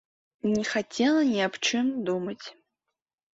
Не хацела ні аб чым думаць.